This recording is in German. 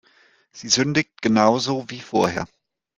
Sie sündigt genau so wie vorher.